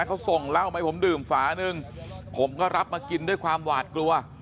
เขาส่งเหล้ามาให้ผมดื่มฝาหนึ่งผมก็รับมากินด้วยความหวาดกลัว